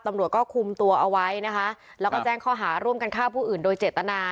ตำรวจก็คุมตัวเอาไว้นะคะแล้วก็แจ้งข้อหาร่วมกันฆ่าผู้อื่นโดยเจตนา